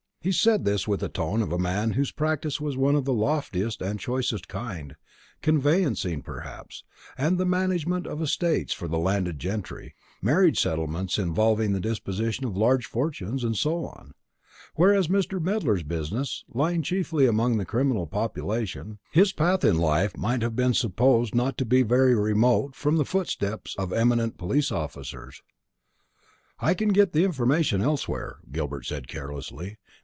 He said this with the tone of a man whose practice was of the loftiest and choicest kind conveyancing, perhaps, and the management of estates for the landed gentry, marriage settlements involving the disposition of large fortunes, and so on; whereas Mr. Medler's business lying chiefly among the criminal population, his path in life might have been supposed to be not very remote from the footsteps of eminent police officers. "I can get the information elsewhere," Gilbert said carelessly.